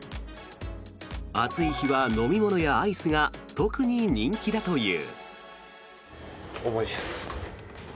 暑い日は、飲み物やアイスが特に人気だという。